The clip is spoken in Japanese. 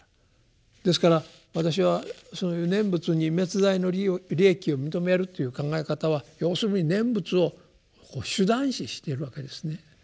ですから私はそういう念仏に滅罪の利益を認めるという考え方は要するに念仏を手段視してるわけですね。